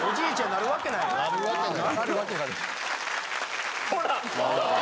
・なるわけない・ほら！